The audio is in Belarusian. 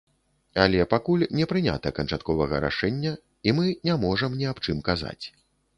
Але пакуль не прынята канчатковага рашэння, і мы не можам ні аб чым казаць.